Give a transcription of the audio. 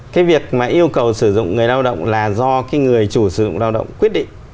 cái việc mà yêu cầu sử dụng người lao động là do cái người chủ sử dụng lao động quyết định